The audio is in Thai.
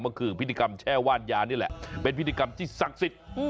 ก็คือพิธีกรรมแช่ว่านยานี่แหละเป็นพิธีกรรมที่ศักดิ์สิทธิ์